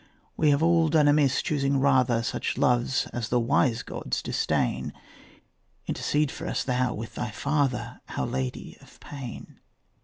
We have all done amiss, choosing rather Such loves as the wise gods disdain; Intercede for us thou with thy father, Our Lady of Pain.